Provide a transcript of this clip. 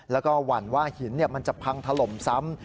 แล้วก็หวั่นว่าหินมันจะพังถล่มซ้ำ